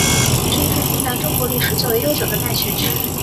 其前身是近代中国历史最为悠久的大学之一。